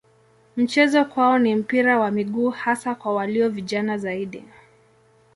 Michezo kwao ni mpira wa miguu hasa kwa walio vijana zaidi.